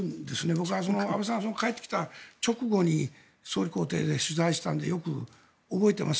僕は安倍さんが帰ってきた直後に総理公邸に行って取材したのでよく覚えています。